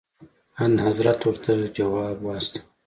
انحضرت ورته ځواب واستوه.